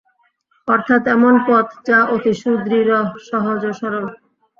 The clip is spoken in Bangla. অর্থাৎ এমন পথ যা অতি সুদৃঢ়, সহজ ও সরল।